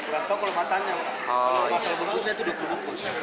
gak tau kalau batangnya maka bungkusnya itu dua puluh bungkus